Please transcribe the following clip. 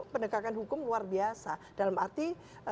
pendekatan hukum luar biasa dalam arti